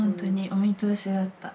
お見通しだった。